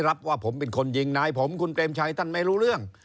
รับว่าผมเป็นคนยิงนายผมคุณเปรมชัยท่านไม่รู้เรื่อง